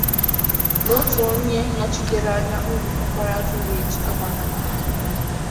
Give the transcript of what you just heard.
na otu onye nọchitere anya Uru-Okpala Village Abagana